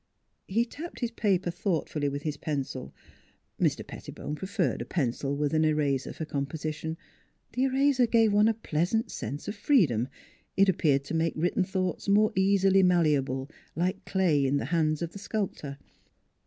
He tapped his paper thoughtfully with his pencil Mr. Pettibone preferred a pencil with an eraser for composition. The eraser gave one a pleasant sense of freedom; it appeared to make written thoughts more easily malleable, like clay in the hands of the sculptor.